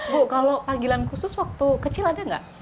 bu kalau panggilan khusus waktu kecil ada nggak